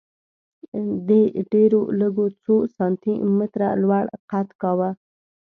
دې ډېرو لږو څو سانتي متره لوړ قد کاوه